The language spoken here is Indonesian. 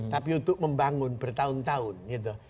tapi untuk membangun bertahun tahun gitu